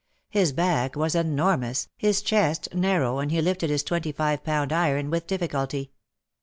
His back was enormous, his chest narrow and he lifted his twenty five pound iron with difficulty.